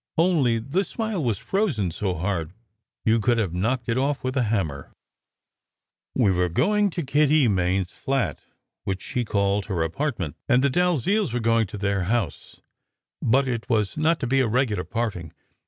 Only the smile was frozen so hard you could have knocked it off with a hammer. We were going to Kitty Main s flat, which she called her "apartment," and the Dalziels were going to their house, but it was not to be a regular parting.